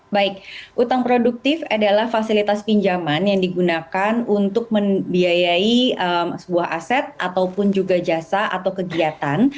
baik utang produktif adalah fasilitas pinjaman yang digunakan untuk membiayai sebuah aset ataupun juga jasa atau kegiatan